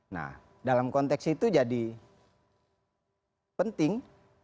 nah dalam konteks itu jadi penting